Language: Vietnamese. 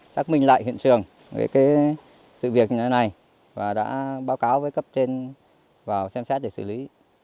xác minh lại hiện trường về cái sự việc này và đã báo cáo với cấp trên vào xem xét để xử lý